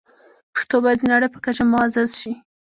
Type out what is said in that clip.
پښتو باید د نړۍ په کچه معزز شي.